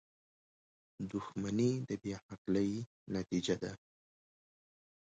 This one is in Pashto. • دښمني د بې عقلۍ نتیجه ده.